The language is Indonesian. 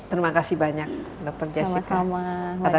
terima kasih banyak dokter jessica